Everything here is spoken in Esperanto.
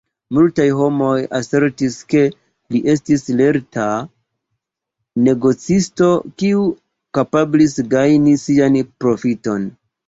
Multaj homoj asertis, ke li estis lerta negocisto, kiu kapablis gajni sian profiton.